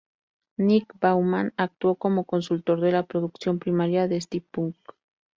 Nick Baumann actuó como consultor de la producción primaria de steampunk.